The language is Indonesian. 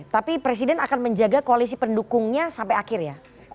tapi presiden akan menjaga koalisi pendukungnya sampai akhir ya